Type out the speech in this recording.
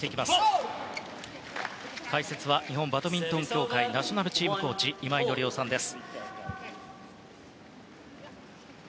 解説は日本バドミントン協会ナショナルチームコーチの今井紀夫さんです。